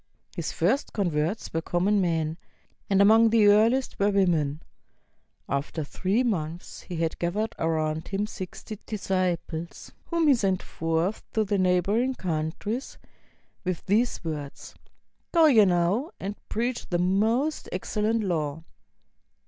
His first converts were common men. and among the earHest were women. After three months he had gathered around him sixt>'' disciples, whom he sent forth to the neighboring countries with 28 THE LIFE OF BUDDHA these words: "Go ye now, and preach the most excel lent law."